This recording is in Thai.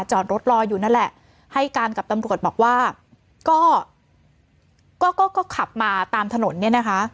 จอดรถรออยู่นั่นแหละให้การกับตำรวจบอกว่าก็ก็ขับมาตามถนนเนี่ยนะคะ